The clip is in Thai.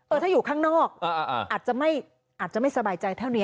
ถ้าอยู่ข้างนอกอาจจะไม่สบายใจเท่านี้